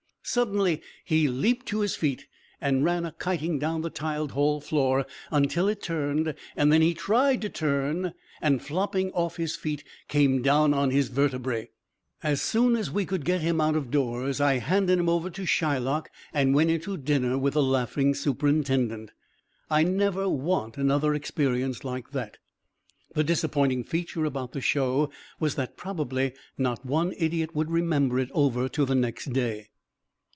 Suddenly he leaped to his feet and ran akiting down the tiled hall floor until it turned; then he tried to turn, and flopping off his feet, came down on his vertebræ. As soon as we could get him out of doors, I handed him over to Shylock and went into dinner with the laughing superintendent. I never want another experience like that. The disappointing feature about the show was that probably not one idiot would remember it over to the next day.